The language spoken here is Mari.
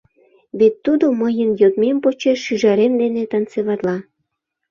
Вет тудо мыйын йодмем почеш шӱжарем дене танцеватла.